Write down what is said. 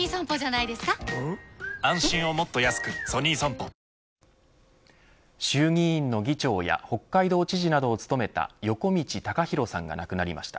糖質ゼロ衆議院の議長や北海道知事などを務めた横路孝弘さんが亡くなりました。